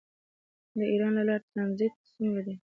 د ایران له لارې ټرانزیټ څومره دی؟